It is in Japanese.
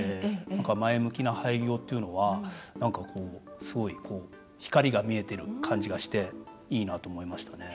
前向きな廃業というのはすごい光が見えてる感じがしていいなと思いましたね。